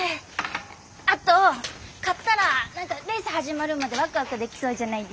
あと買ったら何かレース始まるまでワクワクできそうじゃないですか。